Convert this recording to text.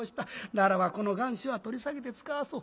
ならばこの願書は取り下げてつかわそう。